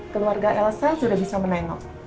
keluarga elsa sudah bisa menengok